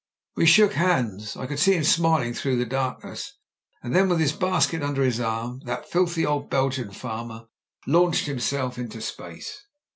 "We shook hands. I could see him smiling through the darkness ; and then, with his basket under his arm, that filthy old Belgian farmer launched himself into space.